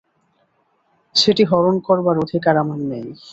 সেটি হরণ করবার অধিকার আমার নেই।